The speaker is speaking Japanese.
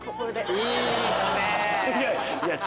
いいっすね！